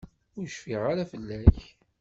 Ur cfin ara fell-ak.